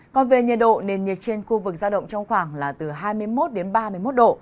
còn về nhiệt độ nền nhiệt trên khu vực giao động trong khoảng là từ hai mươi một đến ba mươi một độ